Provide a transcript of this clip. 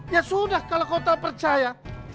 ya sudah kalau kau tak percaya